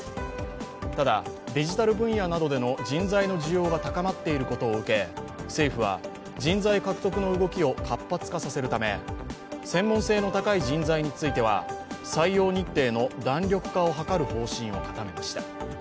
ただデジタル分野などでの人材の需要が高まっていることを受け、政府は人材獲得の動きを活発化させるため、専門性の高い人材については採用日程の弾力化を図る方針を固めました。